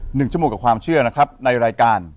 หนึ่งชั่วโมงกับความเชื่อนะครับในรายการ